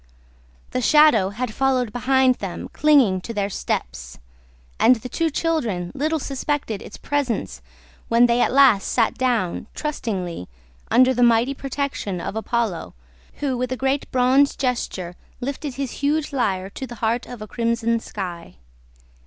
The shadow had followed behind them clinging to their steps; and the two children little suspected its presence when they at last sat down, trustingly, under the mighty protection of Apollo, who, with a great bronze gesture, lifted his huge lyre to the heart of a crimson sky.